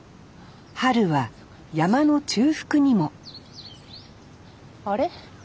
春は山の中腹にもあれ？